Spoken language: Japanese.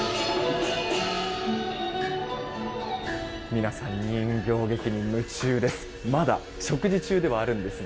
皆さん人形劇に夢中です。